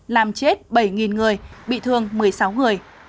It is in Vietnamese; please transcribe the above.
làm chết bảy người bị thương một mươi sáu người